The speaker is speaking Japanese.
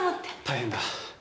大変だ。